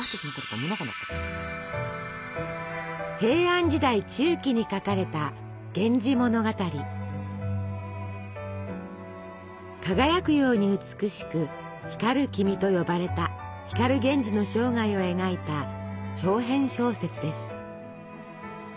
平安時代中期に書かれた輝くように美しく「光る君」と呼ばれた光源氏の生涯を描いた長編小説です。